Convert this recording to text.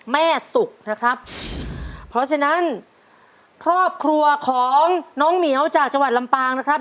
แม่สุกนะครับเพราะฉะนั้นครอบครัวของน้องเหมียวจากจังหวัดลำปางนะครับ